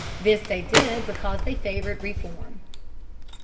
This they did because they favored reform.